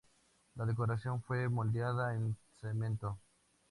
La decoración fue moldeada en cemento.